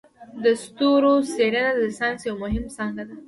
د ستورو څیړنه د ساینس یو مهم څانګی دی.